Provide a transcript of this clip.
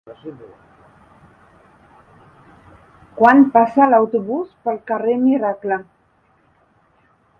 Quan passa l'autobús pel carrer Miracle?